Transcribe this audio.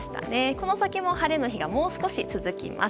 この先も晴れの日がもう少し続きます。